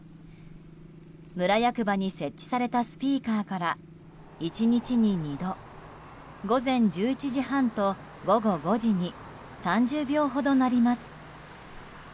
村役場に設置されたスピーカーから１日に２度午前１１時半と午後５時に３０秒ほど鳴ります。